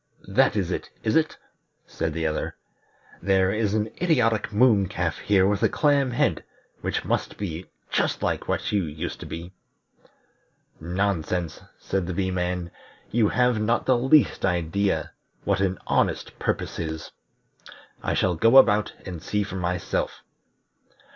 that is it, is it?" said the other. "There is an idiotic moon calf here with a clam head, which must be just like what you used to be." "Nonsense," said the Bee man. "You have not the least idea what an honest purpose is. I shall go about, and see for myself."